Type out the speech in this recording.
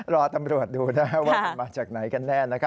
รอตำรวจดูนะว่ามาจากไหนกันแน่นะครับ